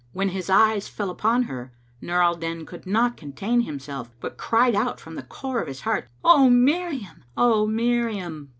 When his eyes fell upon her Nur al Din could not contain himself, but cried out from the core of his heart, "O Miriam! O Miriam!"